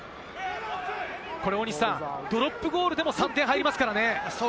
大西さん、ドロップゴールでも３点入りますからね。